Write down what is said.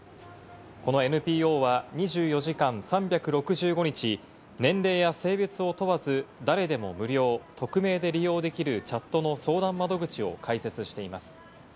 このＮＰＯは、２４時間３６５日、年齢や性別を問わず、誰でも無料・匿名で利用できるチャットの相談窓口を開設しています。